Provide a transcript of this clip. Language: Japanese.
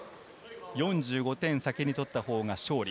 ４５点、先に取ったほうが勝利。